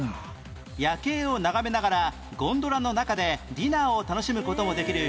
夜景を眺めながらゴンドラの中でディナーを楽しむ事もできる